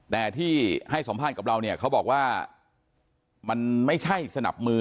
แต่ที่ให้สัมภาษณ์กับเราเนี่ยเขาบอกว่ามันไม่ใช่สนับมือ